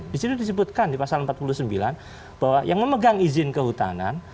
di situ disebutkan di pasal empat puluh sembilan bahwa yang memegang izin kehutanan